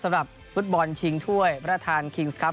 สำหรับฟุตบอลชิงถ้วยพระทานคิงส์ครับ